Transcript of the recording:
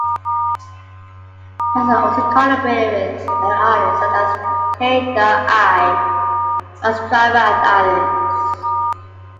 He has also collaborated with other artists such as K-the-I???, Busdriver and Islands.